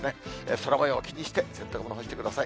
空もよう気にして、洗濯物干してください。